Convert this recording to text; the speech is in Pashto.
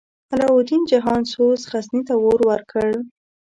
علاوالدین جهان سوز، غزني ته اور ورکړ.